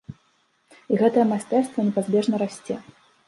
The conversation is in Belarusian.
І гэтае майстэрства непазбежна расце.